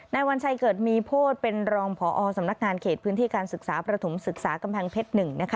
วัญชัยเกิดมีโพธิเป็นรองพอสำนักงานเขตพื้นที่การศึกษาประถมศึกษากำแพงเพชร๑